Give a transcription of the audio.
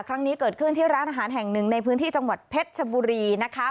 ครั้งนี้เกิดขึ้นที่ร้านอาหารแห่งหนึ่งในพื้นที่จังหวัดเพชรชบุรีนะคะ